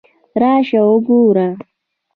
راشه وګوره!